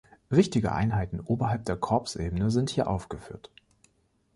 Wichtige Einheiten oberhalb der Korpsebene sind hier aufgeführt.